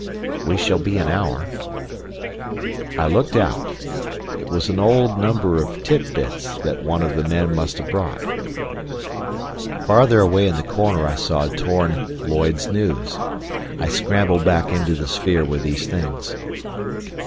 "We shall be an hour." I looked out. It was an old number of Tit Bits that one of the men must have brought. Farther away in the corner I saw a torn Lloyd's News. I scrambled back into the sphere with these things.